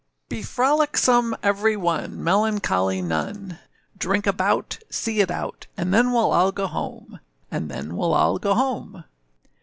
Cho. Be frolicsome, every one, Melancholy none; Drink about! See it out, And then we'll all go home, And then we'll all go home!